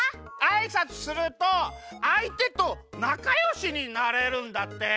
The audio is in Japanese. あいさつするとあいてとなかよしになれるんだって。